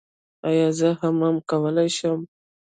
ایا زه حمام کولی شم؟